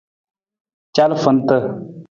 Calafanta.